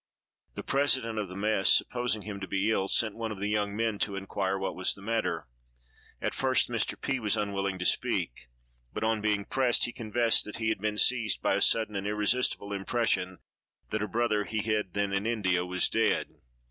The president of the mess, supposing him to be ill, sent one of the young men to inquire what was the matter. At first Mr. P—— was unwilling to speak, but on being pressed, he confessed that he had been seized by a sudden and irresistible impression that a brother he had then in India was dead.